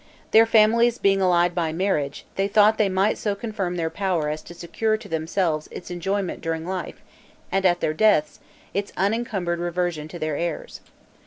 Their families being allied by marriage, they thought they might so confirm their power as to secure to themselves its enjoyment during life, and at their deaths, its unencumbered reversion to their heirs.